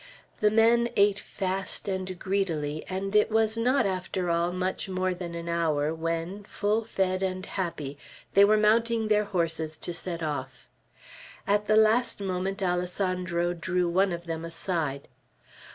The men ate fast and greedily, and it was not, after all, much more than an hour, when, full fed and happy, they were mounting their horses to set off. At the last moment Alessandro drew one of them aside.